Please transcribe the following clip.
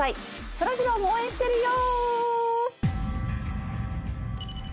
そらジローも応援してるよ！